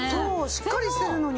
しっかりしてるのに。